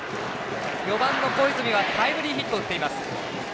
４番の小泉はタイムリーヒットを打っています。